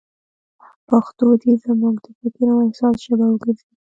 پښتو دې زموږ د فکر او احساس ژبه وګرځي.